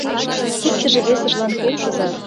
Иктыже весыжлан полшыза.